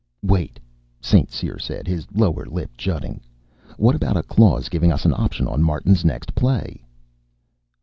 "Wait," St. Cyr said, his lower lip jutting. "What about a clause giving us an option on Martin's next play?"